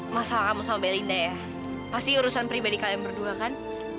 masalah kamu sama belinda ya pasti urusan pribadi kalian berdua kan